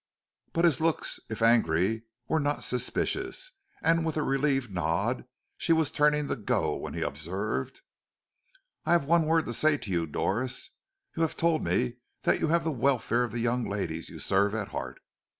But his looks if angry were not suspicious, and with a relieved nod she was turning to go when he observed: "I have one word to say to you, Doris. You have told me that you have the welfare of the young ladies you serve at heart.